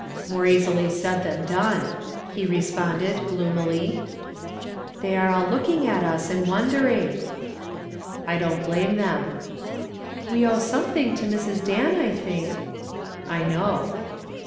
"More easily said than done," he responded gloomily. "They are all looking at us and wondering." "I don't blame them." "We owe something to Mrs. Dan, I think." "I know."